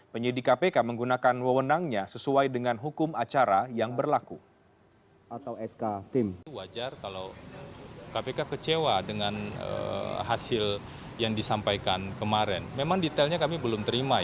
penyidik kpk menggunakan wewenangnya sesuai dengan hukum acara yang berlaku